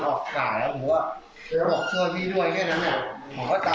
พอออกข่าแล้วผมว่าโดยบอกชอบพี่ด้วยแค่นั้นไง